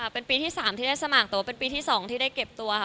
เป็นปีที่๓ที่ได้สมัครแต่ว่าเป็นปีที่๒ที่ได้เก็บตัวค่ะ